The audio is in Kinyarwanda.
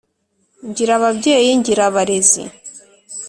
ngira ababyeyi, ngira abarezi